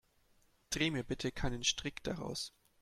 Dreh mir bitte keinen Strick daraus.